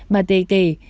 bà tê kể